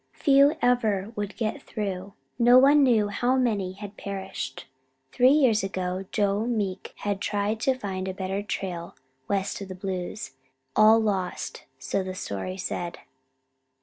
Few ever would get through, no one knew how many had perished. Three years ago Joe Meek had tried to find a better trail west of the Blues. All lost, so the story said.